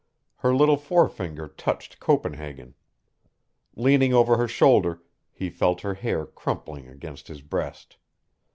Her little forefinger touched Copenhagen. Leaning over her shoulder, he felt her hair crumpling against his breast.